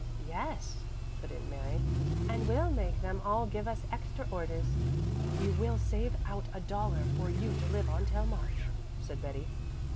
"Yes," put in Mary, "and we'll make them all give us extra orders." "We will save out a dollar for you to live on till March," said Betty.